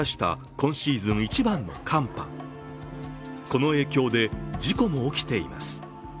この影響で事故も起きています。